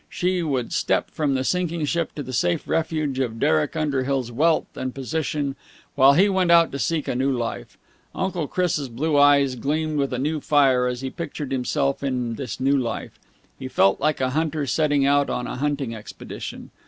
She would step from the sinking ship to the safe refuge of Derek Underhill's wealth and position, while he went out to seek a new life. Uncle Chris' blue eyes gleamed with a new fire as he pictured himself in this new life. He felt like a hunter setting out on a hunting expedition.